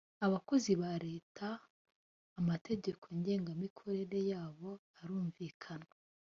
abakozi ba leta amategeko ngengamikorere yabo arumvikana